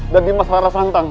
dan dimas rara santang